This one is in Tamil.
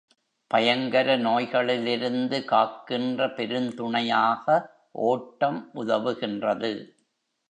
பயங்கர நோய் களிலிருந்து காக்கின்ற பெருந்துணையாக ஓட்டம் உதவுகின்றது.